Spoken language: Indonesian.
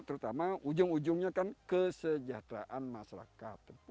terutama ujung ujungnya kan kesejahteraan masyarakat